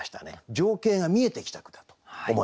情景が見えてきた句だと思います。